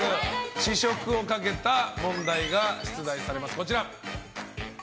試食をかけた問題が出題されます。